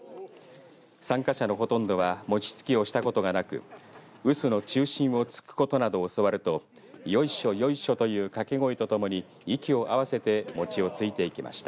参加者のほとんどは餅つきをしたことがなく臼の中心をつくことなどを教わるとよいしょ、よいしょという掛け声とともに息を合わせて餅をついていきました。